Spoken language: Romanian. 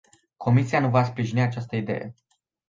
Comisia nu va sprijini această idee.